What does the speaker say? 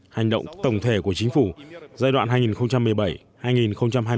hành động tổng thể của chính phủ giai đoạn hai nghìn một mươi bảy hai nghìn hai mươi